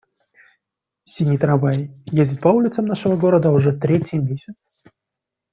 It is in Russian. Синий трамвай ездит по улицам нашего города уже третий месяц.